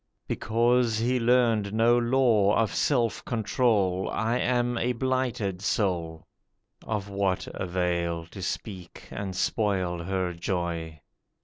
Because he learned no law of self control, I am a blighted soul.' Of what avail to speak and spoil her joy.